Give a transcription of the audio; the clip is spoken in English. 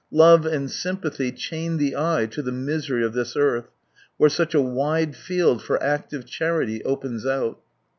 Love and sympathy chain the eye to the misery of this earth, where such a wide field for active charity opens out.